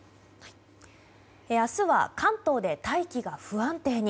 明日は関東で大気が不安定に。